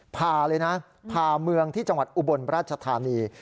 ผ่าเลยนะผ่าเมืองที่จังหวัดอุบลราชธานี